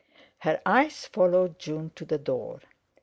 Her eyes followed June to the door.